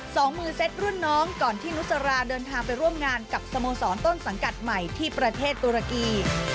สองมือเซ็ตรุ่นน้องก่อนที่นุสราเดินทางไปร่วมงานกับสโมสรต้นสังกัดใหม่ที่ประเทศตุรกี